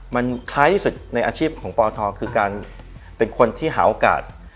มันคล้ายที่สุดในอาชีพของปทคือการเป็นคนที่หาโอกาส